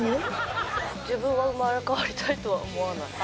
自分は生まれ変わりたいとは思わない。